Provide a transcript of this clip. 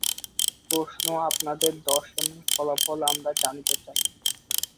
প্রশ্ন আপনাদের দর্শনের ফলাফল আমরা জানিতে চাই।